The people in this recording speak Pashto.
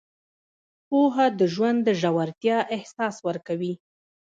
پوهه د ژوند د ژورتیا احساس ورکوي.